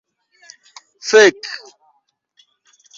Fek'